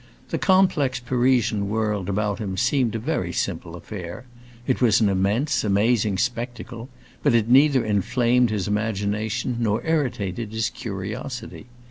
The complex Parisian world about him seemed a very simple affair; it was an immense, amazing spectacle, but it neither inflamed his imagination nor irritated his curiosity.